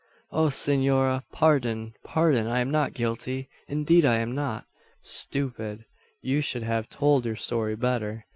"O Senora, pardon! pardon! I am not guilty indeed I am not." "Stupid, you should have told your story better.